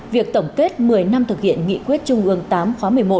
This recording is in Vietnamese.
việc tổng kết một mươi năm thực hiện nghị quyết trung ương tám khóa một mươi một